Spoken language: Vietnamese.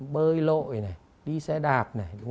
bơi lội này đi xe đạp này